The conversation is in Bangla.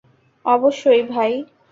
অবশ্যই, ভাই।